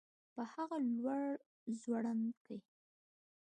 په هغه لوړ ځوړند کي